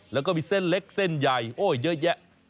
แล้วก็มีเส้นเล็กเส้นใหญ่โอ้ยเยอะแยะ